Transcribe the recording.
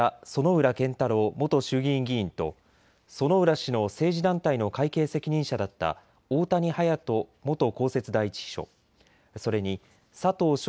薗浦健太郎元衆議院議員と薗浦氏の政治団体の会計責任者だった大谷勇人元公設第１秘書、それに佐藤尚